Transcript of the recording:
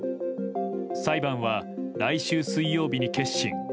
裁判は来週水曜日に結審。